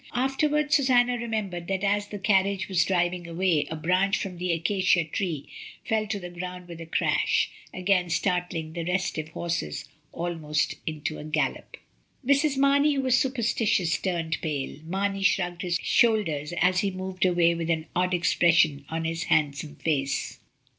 Afterwards Susanna remembered that as the carriage was driving away, a branch from the acacia tree fell to the ground with a crash, again startling the restive horses almost into a gallop. Mrs. Marney, who was superstitious, turned pale. Mamey shrugged his shoulders as he moved away with an odd expression on his handsome face.